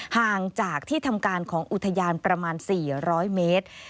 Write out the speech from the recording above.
ห่างจากที่ทำการของอุทยานประมาณ๔๐๐เมตร